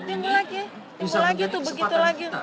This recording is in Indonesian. timbul lagi tuh begitu lagi